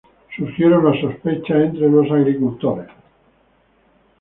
Surgieron las sospechas entre los agricultores.